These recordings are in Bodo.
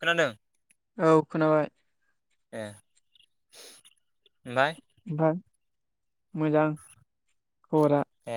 खोनादों औ खोनाबाय। ए ओमफ्राय ओमफ्राय मोजां खबरा ए।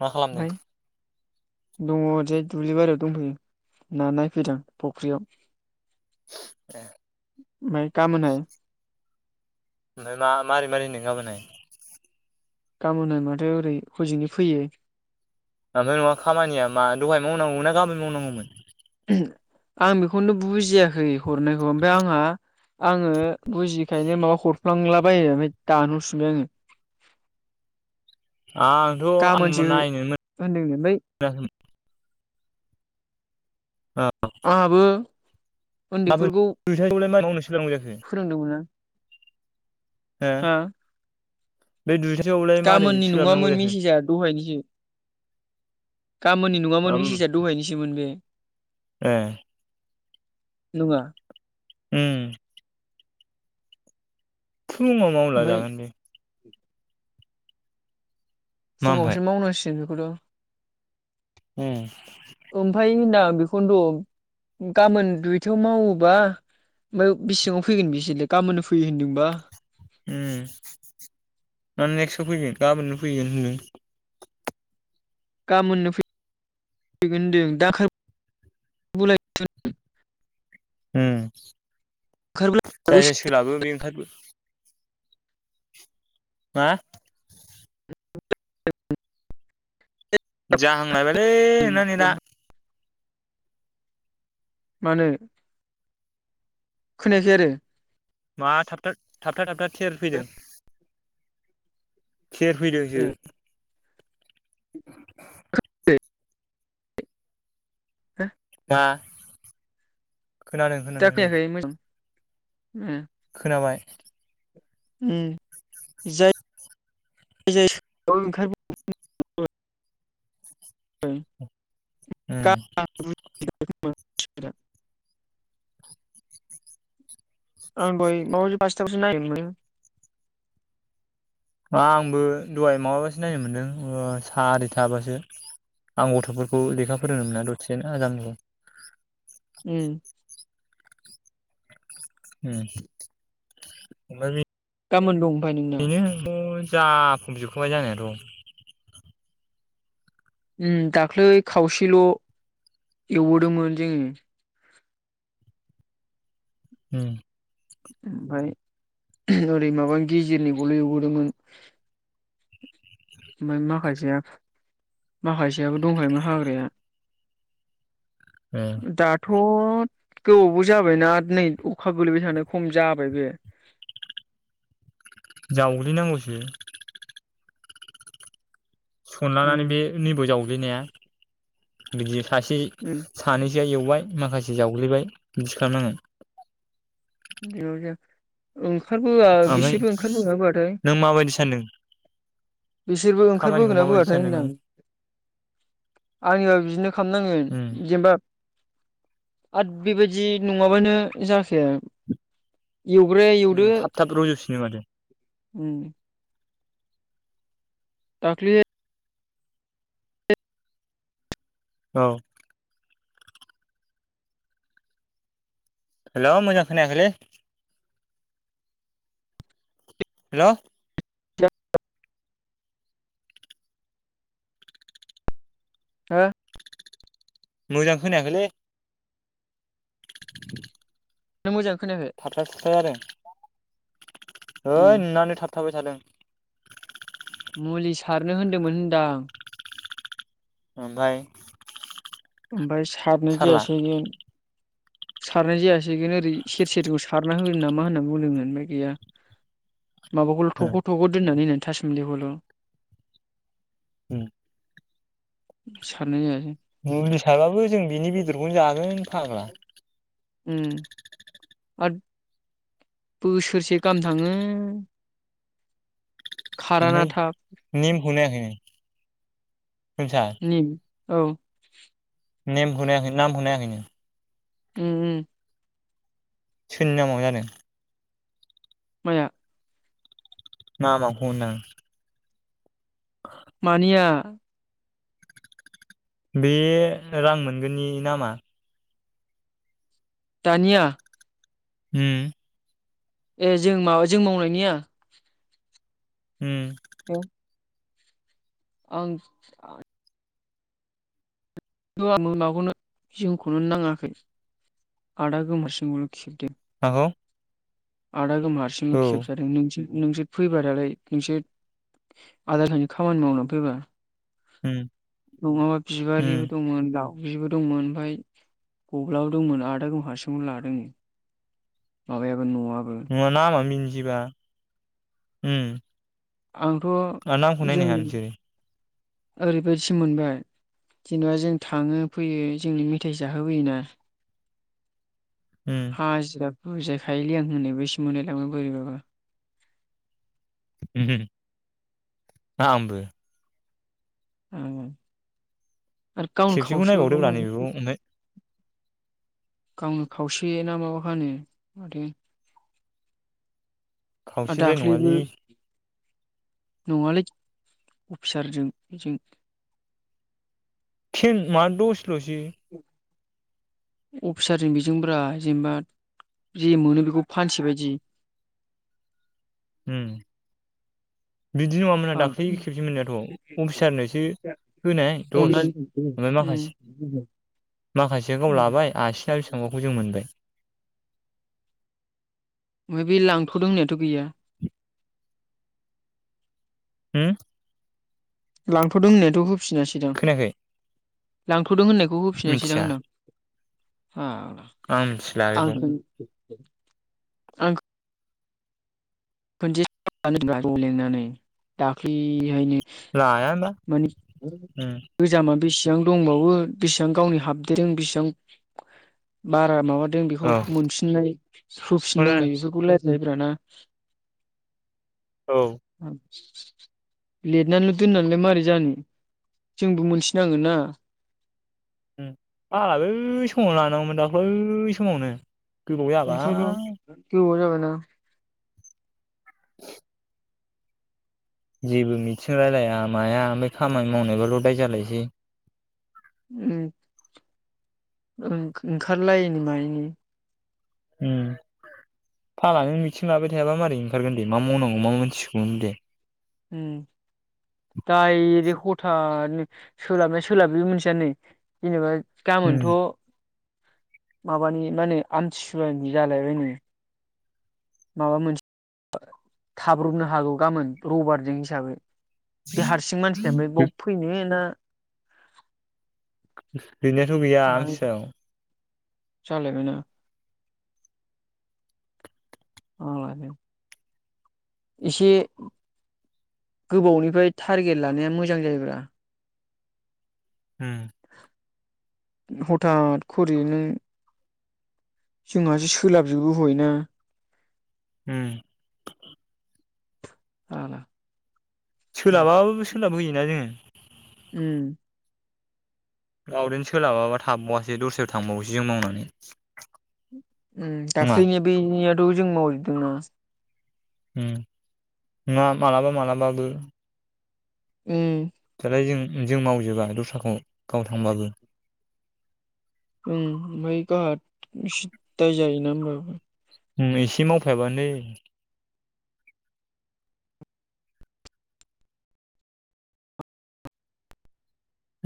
मा खालामदों। ओमफ्राय दङ ओरैजाय दुब्लि बारियाव दंफैयो ना नायफैदों फख्रियाव। [inaudible] [unintelligible] गामोनहाय ओमफ्राय मा मारै मारै होनदों गाबोनहाय। गाबोनाय माथो ओरै हजोंनि फैयो। ओमफ्राय नङा खामानिया मा दहाय मावनांगौमोन ना गामोन मावनांगौमोन। आं बेखौनो बुजियाखै हरनायखौ ओमफ्राय आंहा आङो बुजिखायनो माबा हरफ्लांला बायो ओमफाय दानहर फिनबाय आङो। आ आंथ' गाबोनसो आं नायनो होनदोंनो ओमफ्राय मोन आहाबो। फोरोंदोंमोन आं [unintelligible] हो [unintelligible] बे दुइथासोआवलाय मारै गाबोननि सोलाबनांगौ नङामोन जाखो मेसेजआ दहायनिसो। गाबोननि नङामोन ओम मिसेजआ दहायनिसोमोन बे। ए। नङा। उम। फुङाव मावला ओमफ्राय जागोन दे। मा फुङावसो मावनांसिगोन। [unintelligible] उम। ओमफाय होनदां बेखौनोथ' गाबोन दुइथायाव मावोबा ओमफ्राय बिसेङाव फैगोन बिसोरलै गाबोननो फैयो होनदोंबा। उम ना नेक्स्टआव फैगोन गाबोननो फैगोन होनदों। गामोननो फै फैगोन होनदों दा [unintelligible] उम। ओंखारबोला जाय जाय सोलाबो बे ओंखारबो। मा [inaudible] जाहांलायबायलै होसिगौमोन नोंना नेदा। मानो खोनायाखै आरो। मा थाब थाबथा थाबथा थेर फैदों? थेर फैदोंसो। [inaudible] [inaudible] हा? खोनादों खोनादों दे। उम। खोनाबाय। उम [unintelligible] होम। [unintelligible] आं बाय माबायदि पासतायावसो नायनो मोनो। आंबो दहाय माबाबासो नायनो मोनदों ओ सारिथाबासो आं गथ'फोरखौ लेखा फोरोंदों मोना दससेनो आजा मोनखौ। उम। उम ओमफाय बे गाबोन दं ओमफाय नोंना? जाखुम जोबखाबाय जानायाथ'। उम दाख्लै खावसेल' एवबोदोंमोन जोङो। उम। ओमफाय ओरै माबा गेजेरनिखौल' एवबोदोंमोन। आ माखासेयाबो दंखायोमोन हाग्राया ओ दाथ' थ' गोबावबो जाबायना नै अखा गोलैबाय थानो खम जाबाय बे। जावग्लिनांगौसो उम सनलानानै बे नै बाव जावग्लिनाया। बिदि सासे उम सानैजों सेया एवबाय माखासे जावग्लिबाय बिदि खालामनांगोन। दिबाव‌ जाया ओं ओंखारबोआ ओमफ्राय बिसोरबो ओंखारबोगोना बोआथाय नों माबायदि सानदों बिसोरबो खामानिखौ ओंखारबोगोना माबायदि बोआथाय सानदों होनदां। नों आंनियाव बिदिनो खालामनाङो उम जेनेबा आद बेबायदि नङाबानो जाखाया। एवग्राया एवदो उम थाब थाब रज'फिनो माथो उम। दाखलि औ। हेल' मोजां खोनायाखैलै हेल'। हो मोजां खोनायाखैलै नों मोजां खोनायाखै थाबथा थुबथा थादों ए हैओइ नोंनानो थाब [unintelligible] थादों मुलि सारनो होन्दोंमोन होनदां ओमफाय ओमफाय सारनाय जायासै [unintelligible] सारनाय जायासैगोन ओरै सेर सेरखौ सारना हो नामा होननानै बुंदों ओमफाय गैया माबाखौल थख' थख' दोननानै होननानै थासुमलिखौल' सारनाय जायसै मुलि सारबाबो जों बिनि बेदरखौनो जागोन फाग्ला ओम आथ बोसोरसे गाहाम थाङो खाराना थाब [unintelligible] निम खौनायाखै नों निम [unintelligible] औ नेम खौ नायाखै नामखौ नायाखैनो ओम ओम सोरनि नामाव जादों माया [unintelligible] मानिया बे रां मोनगोननि नामा दानिया ओम ए जों माबा जों मावनायनिया ओम औ आं [unintelligible] नाङाखै आदा गोमोरसिंल' खेबदो माखौ आदा [unintelligible] औ खेबजादों नों [unintelligible] नोंसोर फैबादालाय नोंसोर आदा [unintelligible] खामानि मावनो फैबा उम नङाबा बिबारिबो उम [unintelligible] दंमोन आमफाय गब्लाबो दंमोन आदा गव हारसिंल' लादों नो [unintelligible] [unintelligible] ओम आंथ' जों ओरैबायादिसो मोनबाय जेनेबा जों थाङो फैयो जोंनो मेथाइ जाहोबोयोना उम हाजिरा बुजायखायोलै आं होननाय बादिसो मोनलायलाङो बोरैबा बा। ओम आंबो। उम। खेबसेखौ नायबावदोब्रा नैबेखौ। ओमफ्राय गावनो खावसे ना माबा खानो माथो। आरो खावसेद्राय दाख्लैबो नङालि। नङालै अफिसारजों बेजों। टिन मा दस थ्रसि अफिसारनि बेजोंब्रा जेनेबा जे मोनो बेखौ फानसै बायदि। उम। बिदि नङामोनहा दाख्लै खेबसे मोननायाथ' अफिसारनोसो होनाय दस अननानै ओमफ्राय उम माखासे माखासे गाव लाबाय आसिना बेसेबांबाखौ जों मोनबाय। ओमफ्राय बे लांथ'दों होननायाथ' गैया। ओ। लांथ'दों होननायथ' फिनासै दां। खोनायाखै लांथ'दों होननाय खौ होफिनासै दां मिथिया होनदां। फाग्ला आं मिथिला आं बेखौ [unintelligible] आं [unintelligible] खनसे [unintelligible] ज' लेंनानै दाख्लिहायनो लाया होमबा माने उम गोजामा बेसे बां दंबावो बेसेबां गावनि हाबदेरदों बेसेबां बारा माबा जों बेखौ औ मोनफिननाय खौनो होफिननांनाय बेफोरखौ लाय जायोब्रा ना? औ। लेदनानैल' दोननानैलाय मा जानो। जोंबो मोनथि नांगोन ना। उम आंहा बै समावनो लानांगौमोन दाखै समावनो। गोबाव नंखागौ जाबाय गोबाव जाबाय। हेलौ। जेबो मिथिं रायलाया माया ओमफ्राय खामानि मावनायबाल' दाय जालायसै। उम। ओंखारलायैनि मायैनि। उम फाग्लानि मिथिं लाबाय थायाबा मारै ओंखारगोन दे मा मावनांगौ मा मानथिगौमोन दे। डाइरेक्ट हथानो सोलाबनाया सोलाब बे मोनथियाबो नै जेनेबा गाबोनथ' माबानि मा होनो आमथिसुवानि जालायबायनो माबा मोनसे थाब्रबनो हागौ गाबोन रबारजों हिसाबै बे हारसिं मानसिया ओमफाय बाव फैनो ना गैनायाथ' गैया आमथिसुयाव जालाय बायना। [unintelligible] एसे गोबावनिफ्राय टारगेट लानाया मोजां जायोब्रा। उम हथात खरि नो जोंहासो सोलाबजोबो हयना। उम [unintelligible] सोलाबाबो सोलाब होयोना जोङो। उम। गावदेन सोलाबाबा थाबबावासै दस्रायाव थांबावनोसै जों मावनानै। उम नङा दाखलिनि बेनिया खौबो जों मावजोबदोंना। उम नङा मालाबा मालाबाबो। उम ओमफ्राय जों-जों मावजोबा दस्राखौ गाव थांबाबो। ओं ओमफ्राय गावहा सिद दाय जायोना होमबाबो। उम एसे मावफायाबानो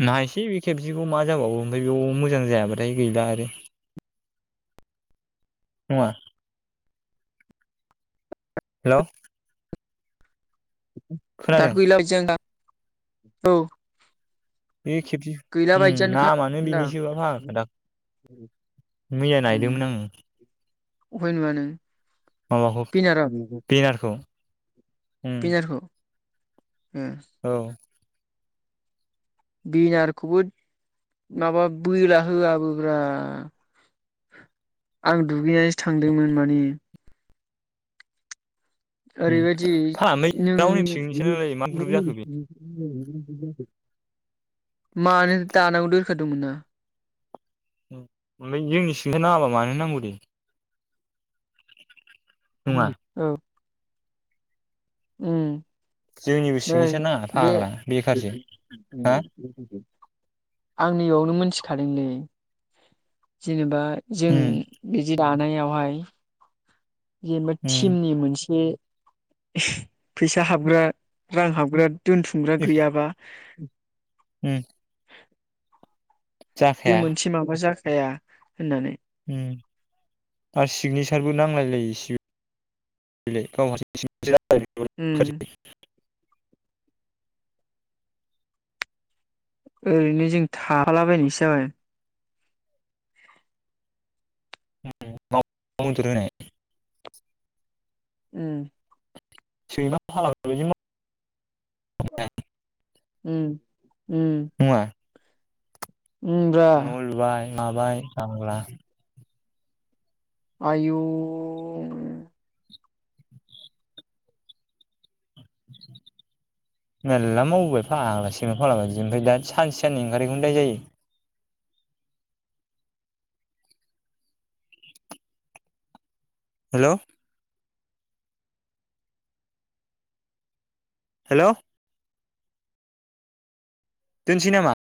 नायसै बे खेबसेखौ मा जाबावो ओमफ्राय बेयाव मोजां जायाबाथाय गैला आरो नङा हेल'। खोनादों दाथ गैला [unintelligible] औ। बे खेबसे गैला बायदियानोखा नामानो होनदां बिनिसोबा फाग्ला दा मैया नायदोंमोन आङो। अबावहाय नुआ नों? माबाखौ बेनारखौ? उम बिनारखौ? उम औ बिनारखौबो माबा बोला होआबोब्रा आं दुगैनायसो थांदोंमोन माने। उम ओरैबायदि फाग्ला नों रावनि सिंनिसो नालाय मा ग्रुप जाखो बे [unintelligible] मानो दानांगौ दोनखादोंमोन ना। ओमफ्राय जोंनि सिंनिफाय नाङाबा मानो नांगौ दे। नङा औ। उम। जोंनिबो नै सिगनेसार नाङा बे फाग्ला बेखारजों हा आंनियावनो मोनथिखादोंलै जेनेबा जों उम बिदि जानायावहाय जेनेबा उम टिमनि मोनसे [unintelligible] फैसा हाबग्रा रां हाबग्रा दोनथुमग्रा गैयाबा उम। बे जाखाया मोनसे माबाजा [unintelligible] हाया होननानै उम आरो सिगनेसारबो नांलायलायो [unintelligible] गावहा उम [unintelligible] [unintelligible] ओरैनो जों थाफाला बायनायसो जाबाय। [unintelligible] उम। सैमा [unintelligible] उम- उम। नङा उम [unintelligible] न' लुबाय माबाय [unintelligible] आयु [unintelligible] मेलला मावबोबाय फागला [unintelligible] ओमफ्राय दा सानसे साननै ओंखारै खोनो दायजायो हेलौ। हेल' दोनसै नामा?